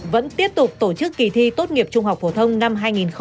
vẫn tiếp tục tổ chức kỳ thi tốt nghiệp trung học phổ thông năm hai nghìn hai mươi